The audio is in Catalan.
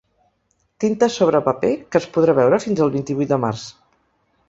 Tintes sobre paper, que es podrà veure fins el vint-i-vuit de març.